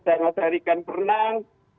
dengan tarikan perenang